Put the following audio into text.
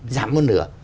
giảm hơn nửa